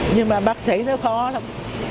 nhưng mà bác sĩ nó khó lắm